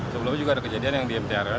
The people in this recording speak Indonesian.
sebelumnya juga ada kejadian yang di mtra